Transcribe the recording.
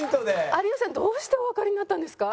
有吉さんどうしておわかりになったんですか？